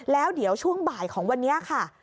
แล้วเดี๋ยวช่วงบ่ายของวันนี้ค่ะ